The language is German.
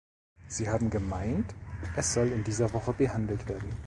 Sie haben gemeint, es soll in dieser Woche behandelt werden.